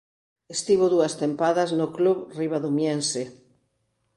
Estivo dúas tempadas no club ribadumiense.